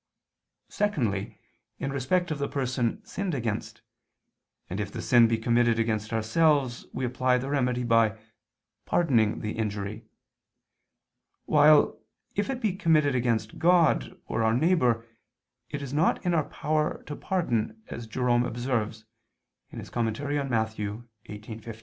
_ Secondly, in respect of the person sinned against; and if the sin be committed against ourselves, we apply the remedy by pardoning the injury, while, if it be committed against God or our neighbor, it is not in our power to pardon, as Jerome observes (Super Matth. xviii, 15).